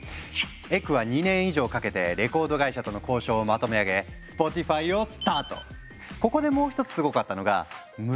エクは２年以上かけてレコード会社との交渉をまとめ上げ「スポティファイ」をスタート！